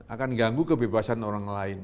akan ganggu kebebasan orang lain